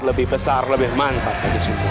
lebih besar lebih mantap